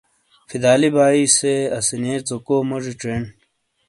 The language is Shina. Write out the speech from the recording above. فدا علی بھائی سے اسانئیے ژوکو موجی چینڈ۔